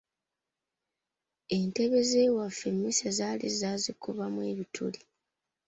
Entebe z’ewaffe emmese zaali zaazikubamu ebituli.